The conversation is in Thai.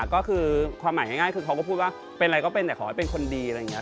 ก็คือความหมายง่ายคือเขาก็พูดว่าเป็นอะไรก็เป็นแต่ขอให้เป็นคนดีอะไรอย่างนี้